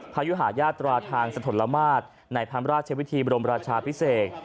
พยุหาทยาตราทางชลทรมาทในพระราชเชฟพิธีบรมราชาพิเศษ